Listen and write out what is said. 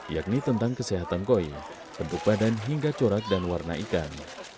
yakni tentang kesehatan koin bentuk badan hingga corak dan warna ikan